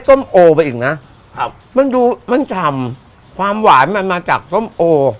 ส้มโอไปอีกนะครับมันดูมันฉ่ำความหวานมันมาจากส้มโอ